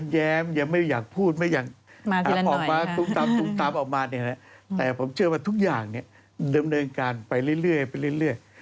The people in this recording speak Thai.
แต่ผมเชื่อว่าทุกอย่างเดิมเนินการไปเรื่อย